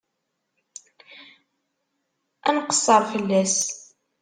Ad nqeṣṣer fell-as.